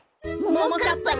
ももかっぱ。